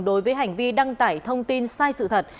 đối với hành vi đăng tải thông tin sai sự thật